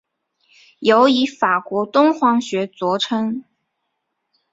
尤以法国敦煌学着称。